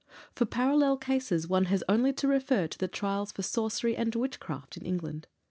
For parallel cases one has only to refer to the trials for sorcery and witchcraft in England.